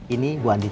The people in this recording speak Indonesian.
ini bu andin